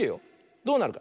どうなるか。